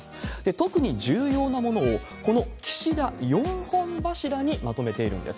特に重要なものを、この岸田４本柱にまとめているんです。